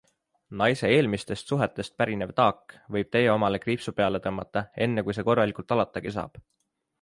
Naise eelmistest suhetest pärinev taak võib teie omale kriipsu peale tõmmata, enne kui see korralikult alatagi saab.